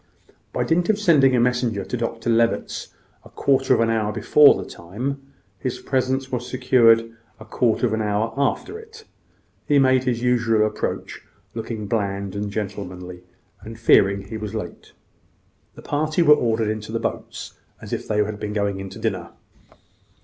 By dint of sending a messenger to Dr Levitt's a quarter of an hour before the time, his presence was secured a quarter of an hour after it. He made his usual approach looking bland and gentlemanly, and fearing he was late. The party were ordered into the boats as if they had been going to dinner.